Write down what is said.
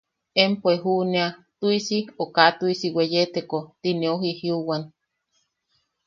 “Empo e juʼunea tuʼisi o kaa tuʼisi weyeteko”. Tineu jijiuwan.